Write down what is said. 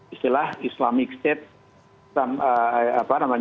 istilah islamic state